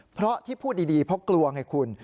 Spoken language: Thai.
เพราะที่พูดดีเพราะกลัวไงคุณ